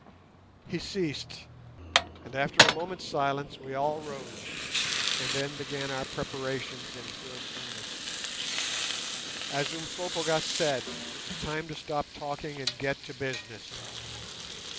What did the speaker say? He ceased, and after a moment's silence we all rose, and then began our preparations in good earnest. As Umslopogaas said, it was time to stop "talking" and get to business.